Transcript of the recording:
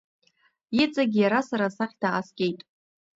Иҵегь иара сара сахь дааскьеит.